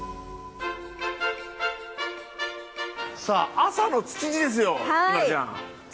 さあ朝の築地ですよ